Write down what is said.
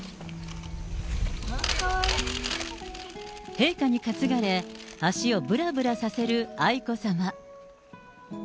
陛下に担がれ、足をぶらぶらさせる愛子さま。